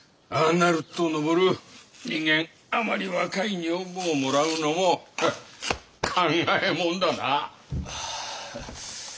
なると登人間あまり若い女房をもらうのも考えものだな。